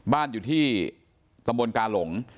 บ้านอยู่ที่ตำบลกาหลง